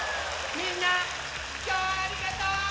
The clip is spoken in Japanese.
みんなきょうはありがとう！